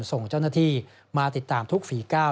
ส่งเจ้าหน้าที่มาติดตามทุกฝีก้าว